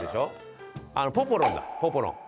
ポポロンだポポロン。